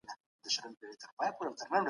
که روحانیون نه وای، ټولنه به بي لاري وه.